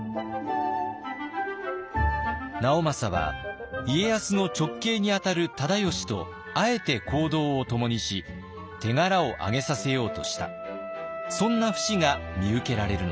直政は家康の直系にあたる忠吉とあえて行動をともにし手柄をあげさせようとしたそんな節が見受けられるのです。